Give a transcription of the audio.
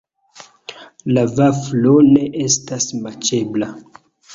La vaflo ne estas maĉebla.